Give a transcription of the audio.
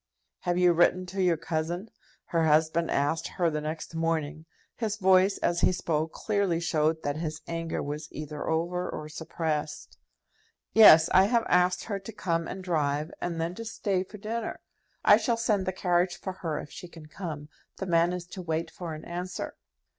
"Have you written to your cousin?" her husband asked her the next morning. His voice, as he spoke, clearly showed that his anger was either over or suppressed. "Yes; I have asked her to come and drive, and then to stay for dinner. I shall send the carriage for her if she can come. The man is to wait for an answer."